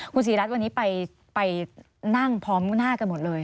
คุณศรีรัฐวันนี้ไปนั่งพร้อมหน้ากันหมดเลย